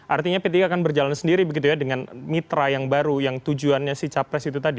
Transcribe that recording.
artinya p tiga akan berjalan sendiri begitu ya dengan mitra yang baru yang tujuannya si capres itu tadi